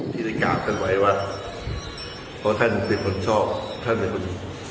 ที่ได้กล่าวท่านไว้ว่าเพราะท่านเป็นคนชอบท่านเป็นคน